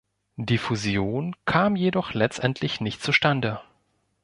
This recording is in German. Die Fusion kam jedoch letztendlich nicht zustande.